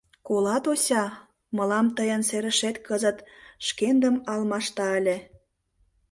Колат, Ося, мылам тыйын серышет кызыт шкендым алмашта ыле.